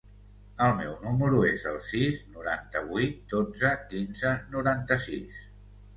El meu número es el sis, noranta-vuit, dotze, quinze, noranta-sis.